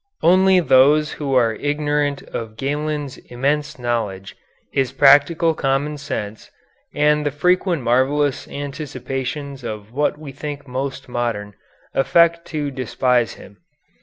Only those who are ignorant of Galen's immense knowledge, his practical common sense, and the frequent marvellous anticipations of what we think most modern, affect to despise him.